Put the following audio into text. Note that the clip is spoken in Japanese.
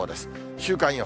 週間予報。